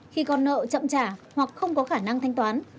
khi con nợ chậm trả hoặc không có khả năng thanh toán